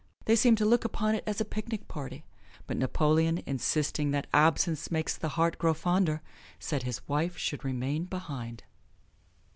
They seemed to look upon it as a picnic party. But Napoleon, insisting that absence makes the heart grow fonder, said his wife should remain behind.